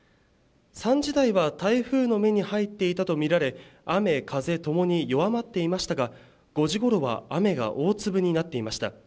３時台は台風の目に入っていたと見られ、雨風ともに弱まっていましたが、５時ごろは雨が大粒になっていました。